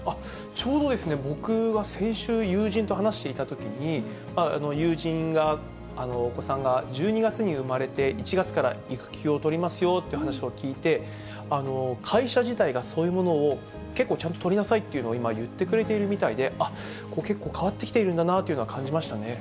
ちょうどですね、僕が先週、友人と話していたときに、友人が、お子さんが１２月に生まれて、１月から育休を取りますよっていう話を聞いて、会社自体がそういうものを結構ちゃんと、取りなさいっていうのを今、言ってくれているみたいで、あっ、結構変わってきているんだなというのを感じましたね。